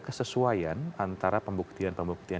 kesesuaian antara pembuktian pembuktian